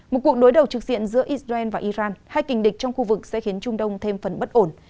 một cuộc đối đầu trực diện giữa israel và iran hai kình địch trong khu vực sẽ khiến trung đông thêm phần bất ổn